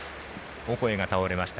オコエが倒れました。